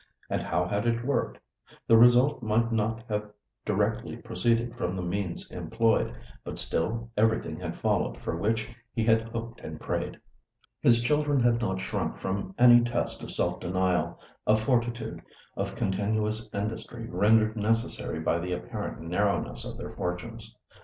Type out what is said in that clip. And how had it worked? The result might not have directly proceeded from the means employed; but still everything had followed for which he had hoped and prayed. His children had not shrunk from any test of self denial, of fortitude, of continuous industry rendered necessary by the apparent narrowness of their fortunes.